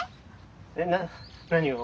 えっ何を？